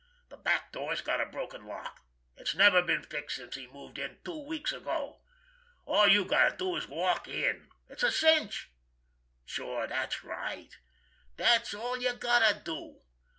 The back door's got a broken lock—it's never been fixed since he moved in two weeks ago. All you got to do is walk in. It's a cinch.... Sure, that's right—that's all you got to do.